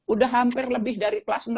udah hampir lebih dari kelas enam